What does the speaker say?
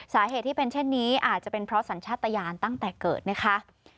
สาเหตุที่เป็นเช่นนี้อาจจะเป็นเพราะสัญชาติยานตั้งแต่เกิดนะคะ